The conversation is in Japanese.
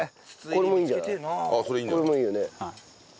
これもいいよね。